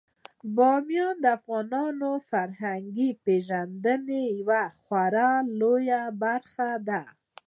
بامیان د افغانانو د فرهنګي پیژندنې یوه خورا لویه برخه ده.